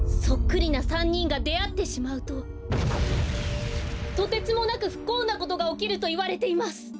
そっくりな３にんがであってしまうととてつもなくふこうなことがおきるといわれています。